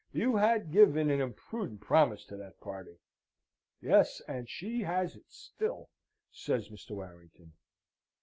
You had given an imprudent promise to that party." "Yes; and she has it still," says Mr. Warrington.